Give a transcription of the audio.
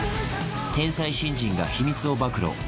天才新人が秘密を暴露。